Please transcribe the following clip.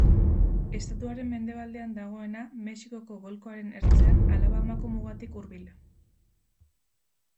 Estatuaren mendebaldean dagoena, Mexikoko Golkoaren ertzean, Alabamako mugatik hurbil.